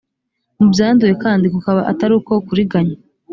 mu byanduye kandi kukaba atari uko kuriganya